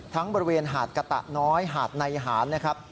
บริเวณหาดกะตะน้อยหาดในหารนะครับ